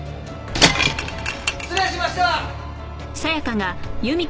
失礼しました！